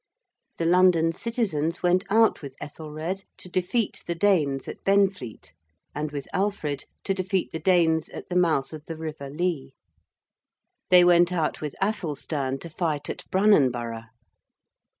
The London citizens went out with Ethelred to defeat the Danes at Benfleet, and with Alfred to defeat the Danes at the mouth of the river Lea; they went out with Athelstan to fight at Brunanburgh.